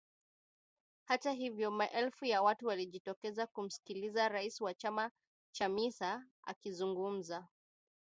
Hata hivyo maelfu ya watu waliojitokeza kumsikiliza rais wa chama Chamisa akizungumza